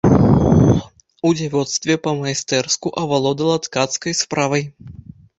У дзявоцтве па-майстэрску авалодала ткацкай справай.